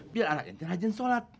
biar anak inti rajin solat